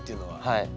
はい。